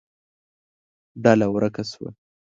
ډله ورکه شوه.